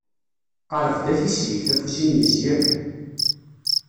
Qerb-d a tislit, afus-im yezyen.